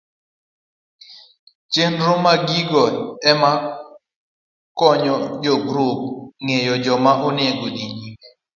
Chenro ma gigo ema konyo jogrup ng'eyo kama onego gidhiye